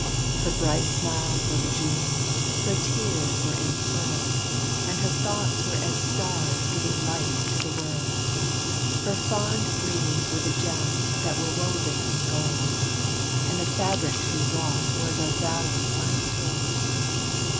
Her bright smiles were bejewelled, her tears were empearled, And her thoughts were as stars giving light to the world; Her fond dreams were the gems that were woven in gold, And the fabric she wrought was of value untold.